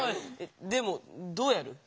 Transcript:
でもどうやる？